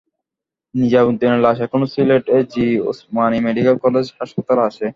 নিজাম উদ্দিনের লাশ এখনো Sylhet A G Osmani medical college হাসপাতালে আছে।